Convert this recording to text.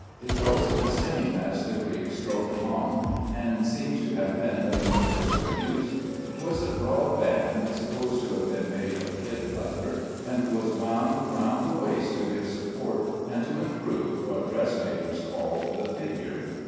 It was the same as the Greek "strophion," and seems to have been of universal use. It was a broad band, supposed to have been made of kid leather, and was wound round the waist to give support, and to improve what dressmakers call the figure.